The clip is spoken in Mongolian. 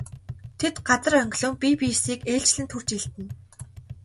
Тэд газар онгилон бие биесийг ээлжлэн түрж элдэнэ.